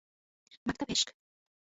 مکتبِ عشق